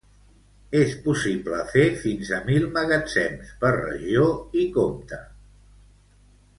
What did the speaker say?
És possible fer fins a mil magatzems per regió i compte.